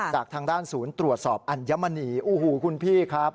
จากทางด้านศูนย์ตรวจสอบอัญมณีโอ้โหคุณพี่ครับ